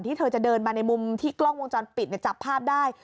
เธอจะเดินมาในมุมที่กล้องวงจรปิดจับภาพได้